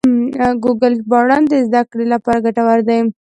ګوګل ژباړن د زده کړې لپاره ګټور دی.